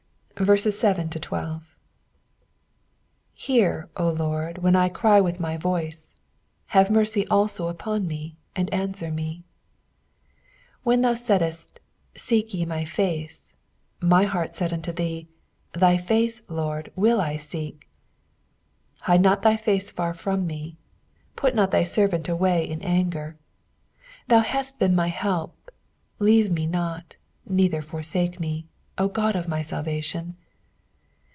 7 Hear, O LORD, wA^n I cry with my voice : have mercy also upon me, and answer me, 8 iV/ien thou saidst. Seek ye my face ; my heart said unto thee. Thy face, LORD, will I seek. 9 Hide not thy face far from me ; put not thy servant away in anger : thou hast been my help ; leave me not, neither forsake me, O God of my salvation.